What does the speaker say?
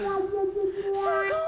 すごい！